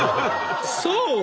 そう！